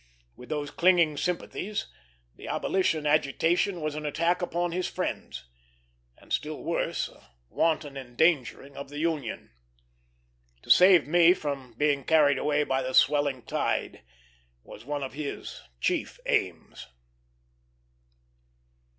With these clinging sympathies, the abolition agitation was an attack upon his friends, and, still worse, a wanton endangering of the Union. To save me from being carried away by the swelling tide was one of his chief aims.